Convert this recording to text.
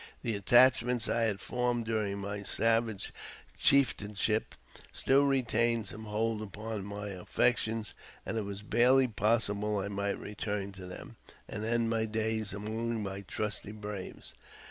The attachments I had formed during my savage chieftainship still retained some hold upon my affections, and it was barely possible I might return to them, and end my da; among my trusty braves.